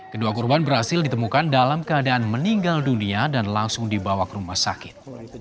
kedua korban berhasil ditemukan dalam keadaan meninggal dunia dan langsung dibawa ke rumah sakit